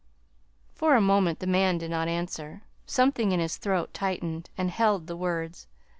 For a moment the man did not answer. Something in his throat tightened, and held the words.